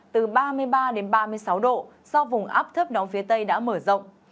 từ ba mươi ba đến ba mươi sáu độ do vùng áp thấp nóng phía tây đã mở rộng